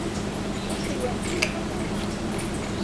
بۆ پەیوەندی لەگەڵ ئێمە